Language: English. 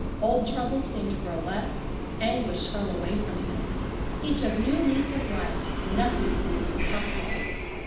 Old troubles seemed to grow less, anguish fell away from him. He took new lease of life. Nothing seemed impossible.